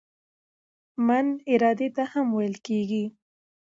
"من" ارادې ته هم ویل کیږي.